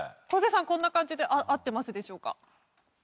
小池さんこんな感じで合ってますでしょうか？